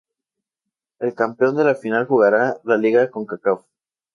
El campeón de la final jugará la Liga Concacaf.